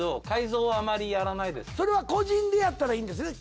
それは個人でやったらいいんですね